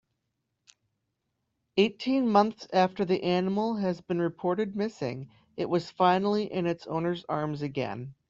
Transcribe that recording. Eighteen months after the animal has been reported missing it was finally in its owner's arms again.